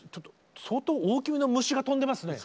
相当大きめの虫が飛んでますね。